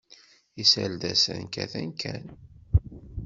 Iserdasen kkaten kan.